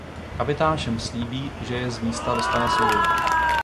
Kapitán všem slíbí že je z místa dostane svou lodí.